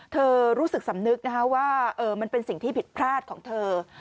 รู้สึกสำนึกนะคะว่ามันเป็นสิ่งที่ผิดพลาดของเธอ